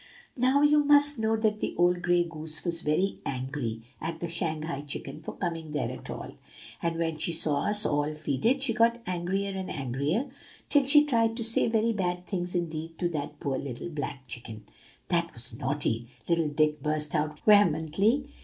"Now, you must know that the old gray goose was very angry at the Shanghai chicken for coming there at all; and when she saw us all feed it, she got angrier and angrier, till she tried to say very bad things indeed to that poor little black chicken." "That was naughty," little Dick burst out vehemently.